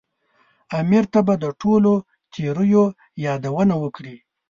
امیر ته به د ټولو تېریو یادونه وکړي.